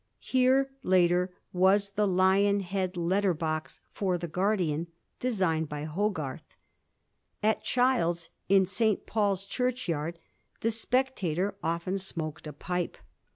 Here, later, waa the lion head letter box for the 'Guardian,' designed by Hogarth. At Child's, in St. Paul's Churchyard, the * Spectator ' often smoked a pipe.